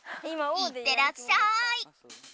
いってらっしゃい！